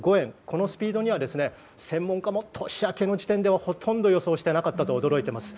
このスピードには専門家も年明けの時点ではほとんど予想していなかったと驚いています。